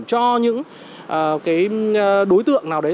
cho những đối tượng nào đấy